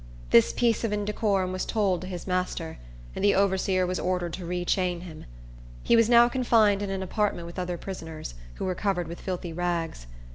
This piece of indecorum was told to his master, and the overseer was ordered to re chain him. He was now confined in an apartment with other prisoners, who were covered with filthy rags.